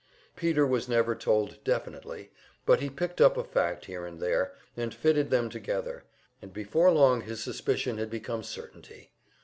Peter was never told definitely, but he picked up a fact here and there, and fitted them together, and before long his suspicion had become certainty.